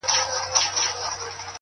• څوک وایي گران دی ـ څوک وای آسان دی ـ